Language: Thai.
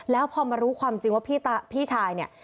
แล้วพอมารู้ความจริงว่าพี่ชายเนี่ย